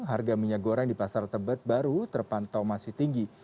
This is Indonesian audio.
harga minyak goreng di pasar tebet baru terpantau masih tinggi